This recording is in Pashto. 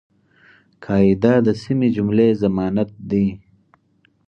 قاعده د سمي جملې ضمانت دئ.